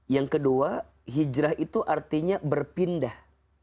yang kedua hijrah itu artinya berpindah